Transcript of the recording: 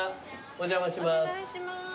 お邪魔します。